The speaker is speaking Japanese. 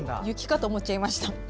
雪かと思っちゃいました。